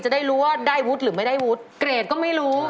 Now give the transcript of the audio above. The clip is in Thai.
จะได้รู้ว่าได้วุฒิหรือไม่ได้วุฒิเกรดก็ไม่รู้